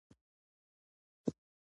ایا زه باید په سرپل کې اوسم؟